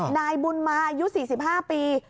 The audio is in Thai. นายบุญมาอายุ๔๕ปี